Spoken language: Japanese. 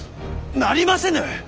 なりませぬ！